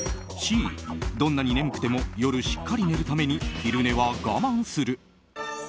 Ｃ、どんなに眠くても夜しっかり寝るために昼寝は我慢する。